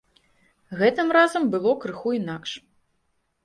Гэтым разам было крыху інакш.